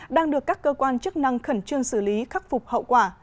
đang được các cơ quan chức năng khẩn trương xử lý khắc phục hậu quả